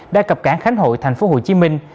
đã cập cảng khánh hội thành phố hồ chí minh